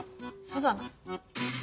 そうだな。